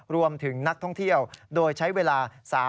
รวมถึงนักท่องเที่ยวโดยใช้เวลา